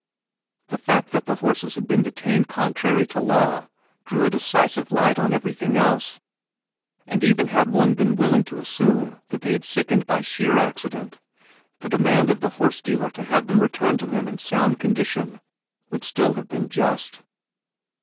The fact that the horses had been detained contrary to law threw a decisive light on everything else; and even had one been willing to assume that they had sickened by sheer accident, the demand of the horse dealer to have them returned to him in sound condition would still have been just.